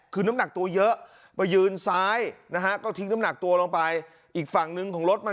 คือน้ำหนักตัวเยอะไปยืนซ้ายนะฮะก็ทิ้งน้ำหนักตัวลงไปอีกฝั่งนึงของรถมัน